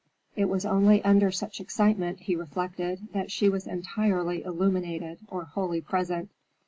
It was only under such excitement, he reflected, that she was entirely illuminated, or wholly present.